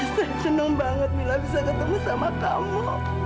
saya senang banget mila bisa ketemu sama kamu